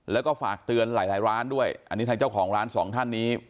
แล้วก็ฝากเตือนหลายร้านด้วยอันนี้ทางเจ้าของร้านสองท่านนี้